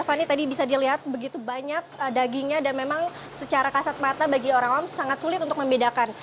fani tadi bisa dilihat begitu banyak dagingnya dan memang secara kasat mata bagi orang awam sangat sulit untuk membedakan